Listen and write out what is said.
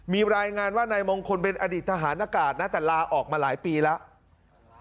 มีรายงานว่านายมงคลเป็นอดีตทหารอากาศนะแต่ลาออกมาหลายปีแล้ว